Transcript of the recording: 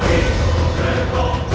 aku tidak tahu